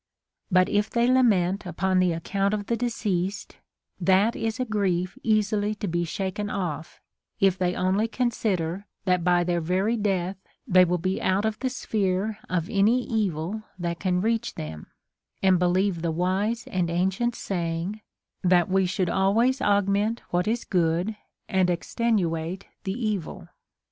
But if they lament upon the account of the de ceased, that is a grief easily to be shaken off", if they only consider that by their very death they will be out of the sphere of any evil that can reach them, and believe the Avise and ancient saying, that we should always augment what is good, and extenuate the evil.